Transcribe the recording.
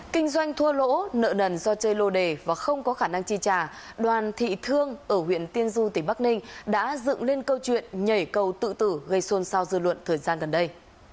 kinh doanh thua lỗ nợ nần do chơi lô đề và không có khả năng chi trả đoàn thị thương ở huyện tiên du tỉnh bắc ninh đã dựng lên câu chuyện nhảy cầu tự tử gây xôn xao dư luận thời gian gần đây